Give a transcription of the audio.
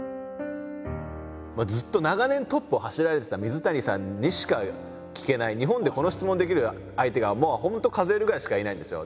ずっと長年トップを走られてた水谷さんにしか聞けない日本でこの質問できる相手が本当数えるぐらいしかいないんですよ。